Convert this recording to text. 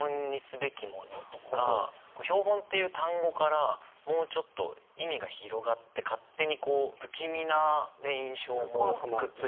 「標本」っていう単語からもうちょっと意味が広がって勝手にこう不気味な印象もくっついてきたりとか。